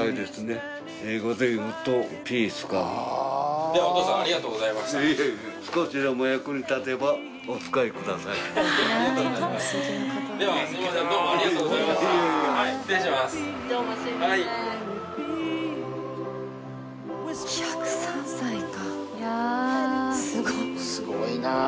すごいな。